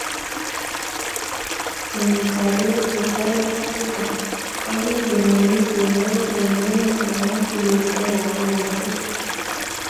Kenyitab elbut aeng' ak tisab kokibiit ngemisiet ne o eng emet amu tuyosiekab bolatet